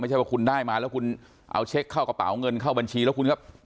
ไม่ใช่ว่าคุณได้มาแล้วคุณเอาเช็คเข้ากระเป๋าเงินเข้าบัญชีแล้วคุณก็